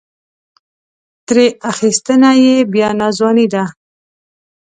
ترې اخیستنه یې بیا ناځواني ده.